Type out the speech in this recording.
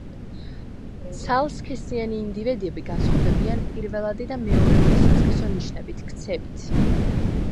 ცალსქესიანი ინდივიდები განსხვავდებიან პირველადი და მეორეული სასქესო ნიშნებით, ქცევით.